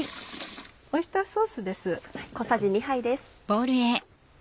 オイスターソースです。